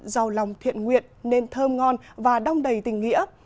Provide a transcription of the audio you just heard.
giàu lòng thiện nguyện nên thơm ngon và đong đầy tình nghĩa